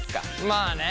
まあね。